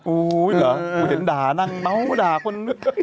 อุ๊ยเห็นด่านั่งเมาด่าคน